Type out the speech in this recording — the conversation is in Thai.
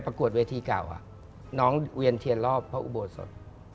กวดเวทีเก่าน้องเวียนเทียนรอบพระอุโบสถ